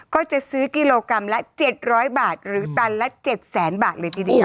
ก็จะซื้อกิโลกรัมละ๗๐๐บาทหรือตันละ๗แสนบาทเลยทีเดียว